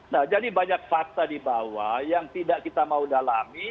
nah jadi banyak fakta di bawah yang tidak kita mau dalami